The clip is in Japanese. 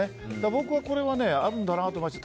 僕は、これはあるんだなと思いました。